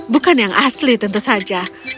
bukan yang asli tentu saja